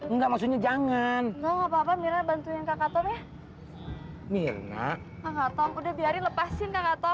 nggak maksudnya jangan bantuin kakak tom ya mirna